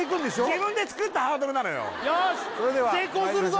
自分で作ったハードルなのよよし成功するぞ